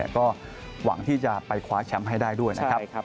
ก็หวังที่จะไปคว้าแชมป์ให้ได้ด้วยนะครับ